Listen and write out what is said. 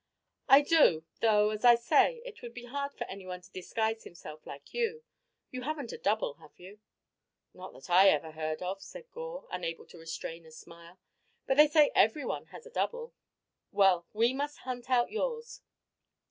"I do, though, as I say, it would be hard for anyone to disguise himself like you. You haven't a double, have you?" "Not that I ever heard of," said Gore, unable to restrain a smile; "but they say everyone has a double." "Well, we must hunt out yours.